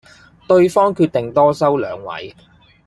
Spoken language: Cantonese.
對方決定多收兩位